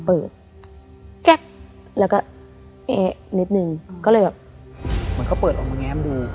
เปิดแล้วก็เน็ตหนึ่งก็เลยแบบเหมือนเขาเปิดออกมาแง้มดู